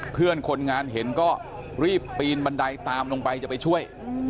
เพื่อนคนงานเห็นก็รีบปีนบันไดตามลงไปจะไปช่วย